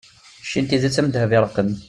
cci n tidet am ddheb iṛeqqen